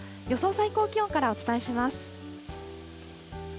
最高気温からお伝えします。